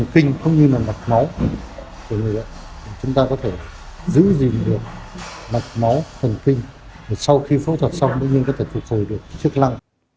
chúng ta có thể giữ gìn được mặt máu thần kinh sau khi phẫu thuật xong tự nhiên có thể phục hồi được trước lăng